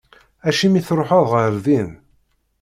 Acimi i tṛuḥeḍ ɣer din?